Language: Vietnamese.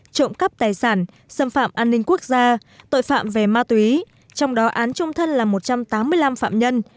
trộm cắp tài sản xâm phạm an ninh quốc gia tội phạm về ma túy trong đó án trung thân là một trăm tám mươi năm phạm nhân